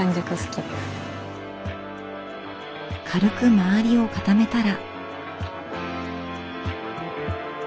軽く周りを固めたら。